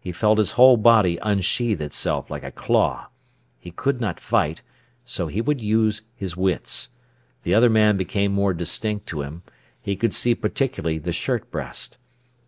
He felt his whole body unsheath itself like a claw. He could not fight, so he would use his wits. The other man became more distinct to him; he could see particularly the shirt breast.